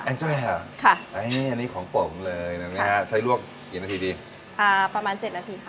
แองเจอล์หรอค่ะอันนี้ของผมเลยใช้ลวกกี่นาทีดีอ่าประมาณเจ็ดนาทีค่ะ